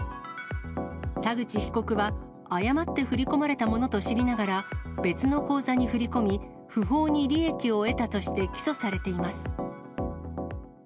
田口被告は誤って振り込まれたものと知りながら、別の口座に振り込み、不法に利益を得たとして起訴されています。